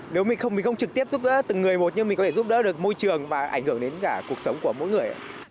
nếu mình không mình không trực tiếp giúp đỡ từng người một nhưng mình có thể giúp đỡ được môi trường và ảnh hưởng đến cả cuộc sống của mỗi người